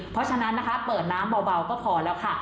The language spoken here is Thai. เพราะฉะนั้นนะคะเปิดน้ำเบาก็พอแล้วค่ะ